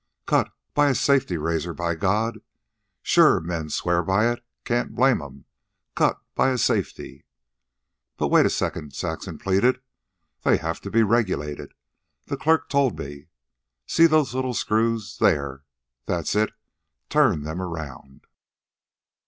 "Cut! by a safety razor, by God! Sure, men swear by it. Can't blame 'em. Cut! By a safety!" "But wait a second," Saxon pleaded. "They have to be regulated. The clerk told me. See those little screws. There.... That's it... turn them around."